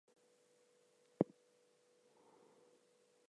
She is heard approaching under the floor of the hut.